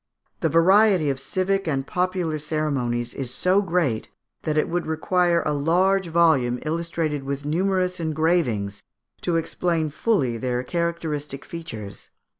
The variety of civic and popular ceremonies is so great, that it would require a large volume, illustrated with numerous engravings, to explain fully their characteristic features.